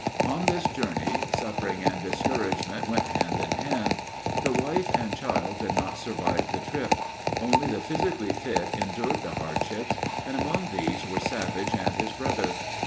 On this journey, "suffering and discouragement went hand in hand." The wife and child did not survive the trip. Only the physically fit endured the hardships, and among these were Savage and his brother.